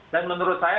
dan menurut saya